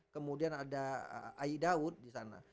kemudian ada ai daud di sana